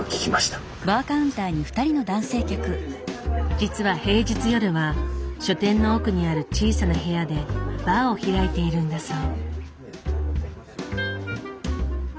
実は平日夜は書店の奥にある小さな部屋でバーを開いているんだそう。